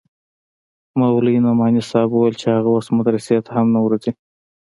مولوي نعماني صاحب وويل چې هغه اوس مدرسې ته هم نه ورځي.